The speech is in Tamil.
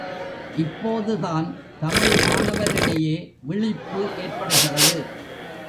இப்போது தான், தமிழ் மாணவரிடையே விழிப்பு ஏற்படுகிறது.